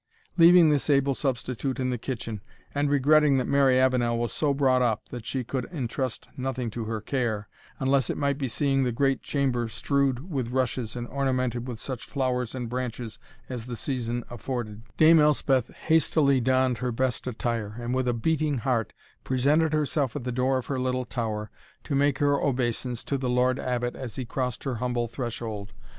Leaving this able substitute in the kitchen, and regretting that Mary Avenel was so brought up, that she could intrust nothing to her care, unless it might be seeing the great chamber strewed with rushes, and ornamented with such flowers and branches as the season afforded, Dame Elspeth hastily donned her best attire, and with a beating heart presented herself at the door of her little tower, to make her obeisance to the Lord Abbot as he crossed her humble threshold.